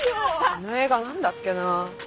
あの映画何だっけな。